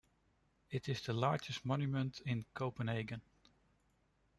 It is the largest monument in Copenhagen.